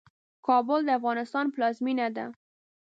کابل د افغانستان پلازمينه ده.